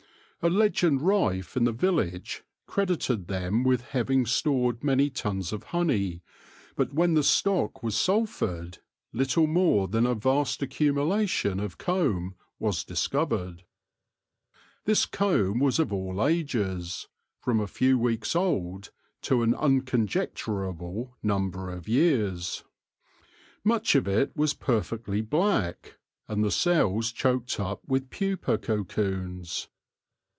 A legend rife in the village credited them with having stored many tons of honey, but when the stock was sulphured little more than a vast accumulation of g6 THE LORE OF THE HONEY BEE comb was discovered. This comb was of all ages, from a few weeks old to an unconjecturable number of years. Much of it was perfectly black, and the cells choked up with pupa cocoons.